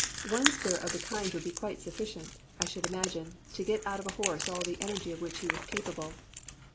One spur of the kind would be quite sufficient, I should imagine, to get out of a horse all the energy of which he was capable.